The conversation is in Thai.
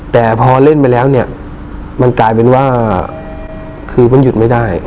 แต่พอเล่นไปแล้วเนี่ยมันกลายเป็นว่าคือมันหยุดไม่ได้